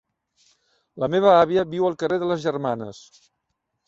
La meva àvia viu al carrer de les Germanes.